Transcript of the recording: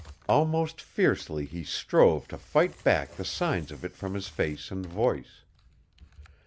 Almost fiercely he strove to fight back the signs of it from his face and voice.